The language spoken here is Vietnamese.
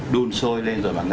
đun sôi lên rồi